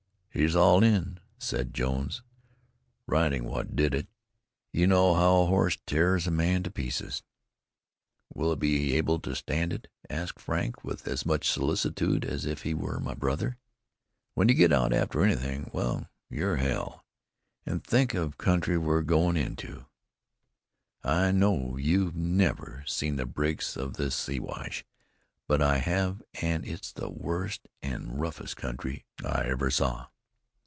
"He's all in," said Jones. "Riding's what did it You know how a horse tears a man to pieces." "Will he be able to stand it?" asked Frank, with as much solicitude as if he were my brother. "When you get out after anythin' well, you're hell. An' think of the country we're goin' into. I know you've never seen the breaks of the Siwash, but I have, an' it's the worst an' roughest country I ever saw.